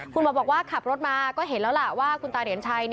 คุณหมอบอกว่าขับรถมาก็เห็นแล้วล่ะว่าคุณตาเหรียญชัย